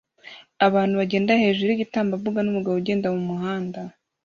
Abantu bagenda hejuru yigitambambuga numugabo ugenda mumuhanda